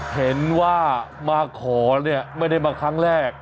เห็นว่ามาขอเนี่ยไม่ได้มาครั้งแรก